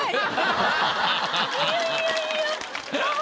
いやいやいやああ